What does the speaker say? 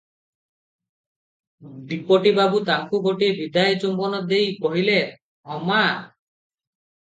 Deputy ବାବୁ ତାକୁ ଗୋଟିଏ ବିଦାୟ ଚୁମ୍ବନ ଦେଇ କହିଲେ, "ହଁମା!